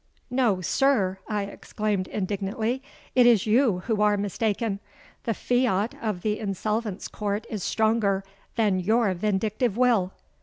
'—'No, sir,' I exclaimed indignantly, 'it is you who are mistaken. The fiat of the Insolvents' Court is stronger than your vindictive will.'